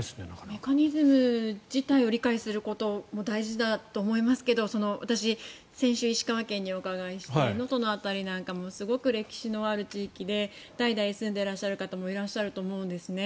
メカニズム自体を理解することも大事だと思いますが私、先週石川県にお伺いして能登の辺りなんかもすごく歴史のある地域で代々住んでいらっしゃる方もいらっしゃると思うんですね。